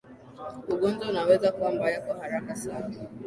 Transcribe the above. ugonjwa unaweza kuwa mbaya kwa haraka sana